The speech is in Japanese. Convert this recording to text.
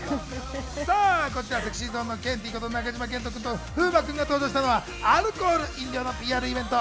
こちらＳｅｘｙＺｏｎｅのケンティーこと中島健人君と風磨君が登場したのはアルコール飲料のＰＲイベント。